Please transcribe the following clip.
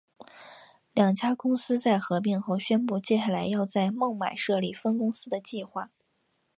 两家公司在合并后宣布接下来要在孟买设立分公司的计划。